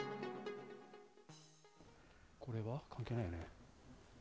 これは関係ないよね？